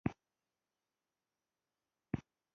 پیلوټ د ماشومانو الهام دی.